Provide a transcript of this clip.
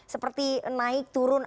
seperti naik turun